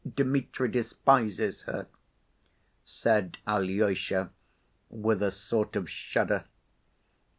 Dmitri—despises her," said Alyosha, with a sort of shudder.